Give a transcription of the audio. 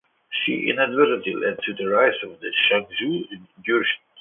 This inadvertently led to the rise of the Jianzhou Jurchens.